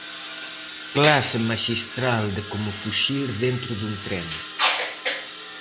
Clase maxistral de como fuxir dentro dun tren.